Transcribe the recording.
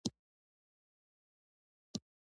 دښمن له سوکاله ژوند نه کرکه لري